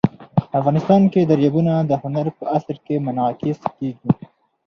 افغانستان کې دریابونه د هنر په اثار کې منعکس کېږي.